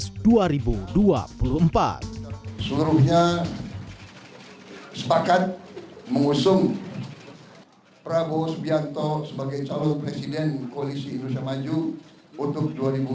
seluruhnya sepakat mengusung prabowo subianto sebagai calon presiden koalisi indonesia maju untuk dua ribu dua puluh empat dua ribu dua puluh sembilan